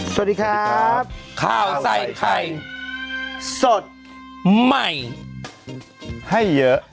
สวัสดีครับข้าวใส่ไข่สดใหม่ให้เยอะ